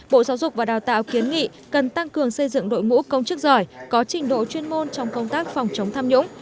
bộ giáo dục và đào tạo kiến nghị cần tăng cường xây dựng đội ngũ công chức giỏi có trình độ chuyên môn trong công tác phòng chống tham nhũng